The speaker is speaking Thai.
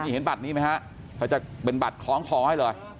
นี่เห็นบัตรนี้ไหมครับเขาจะเป็นบัตรของขอให้เลย